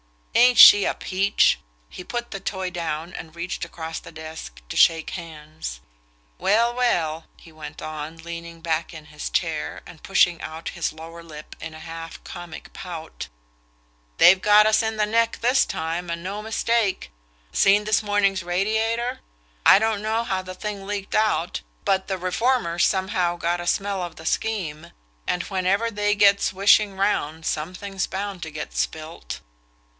"Ain't she a peach?" He put the toy down and reached across the desk to shake hands. "Well, well," he went on, leaning back in his chair, and pushing out his lower lip in a half comic pout, "they've got us in the neck this time and no mistake. Seen this morning's Radiator? I don't know how the thing leaked out but the reformers somehow got a smell of the scheme, and whenever they get swishing round something's bound to get spilt."